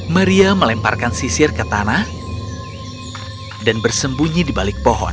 maria melemparkan sisir ke tanah dan bersembunyi di balik pohon